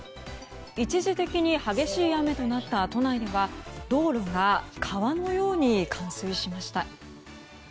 一時的に激しい雨となった都内では道路が川のように冠水しました。